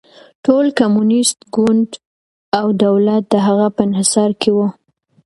ټول کمونېست ګوند او دولت د هغه په انحصار کې و.